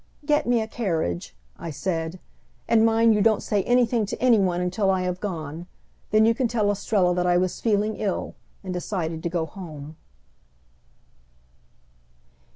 "Get me a carriage," I said, "and mind you don't say anything to any one until I have gone. Then you can tell Estrella that I was feeling ill and decided to go home."